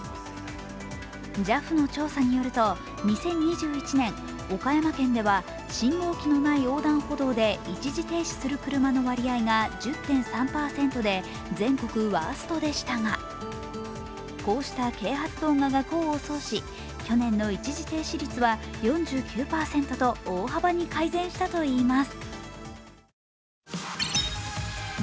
ＪＡＦの調査によると２０２１年、岡山県では信号機のない横断歩道で一時停止する車の割合が１０．３％で全国ワーストでしたが、こうした啓発動画が功を奏し、去年の一時停止率は４９％と大幅に改善したといいます。